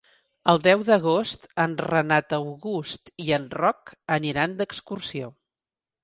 El deu d'agost en Renat August i en Roc aniran d'excursió.